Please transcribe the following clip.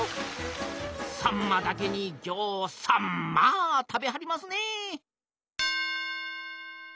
さんまだけにぎょうさんまあ食べはりますね。